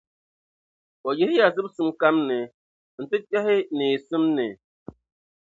O yihi ya zimsim balibu kam ni n-ti kpɛhi neesim ni.